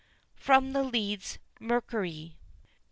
(_From the "Leeds Mercury."